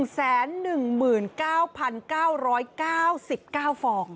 ๑แสน๑หมื่น๙พัน๙๙๙ฟอง